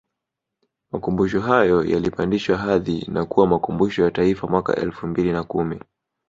makumbusho hayo yalipandishwa hadhi na kuwa Makumbusho ya Taifa mwaka elfu mbili na kumi